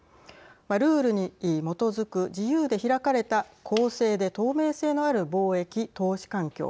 ルールに基づく自由で開かれた公正で透明性のある貿易・投資環境。